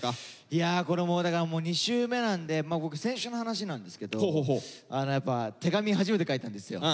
いやこれだから２週目なんで僕先週の話なんですけどやっぱ手紙初めて書いたんですよメンバーに。